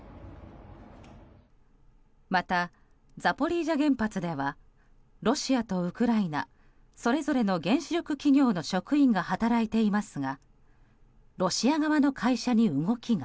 また、ザポリージャ原発ではロシアとウクライナそれぞれの原子力企業の職員が働いていますがロシア側の会社に動きが。